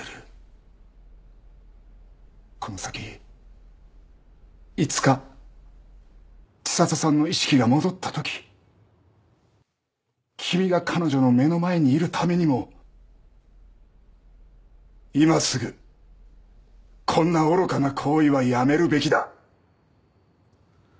この先いつか知里さんの意識が戻った時君が彼女の目の前にいるためにも今すぐこんな愚かな行為はやめるべきだ。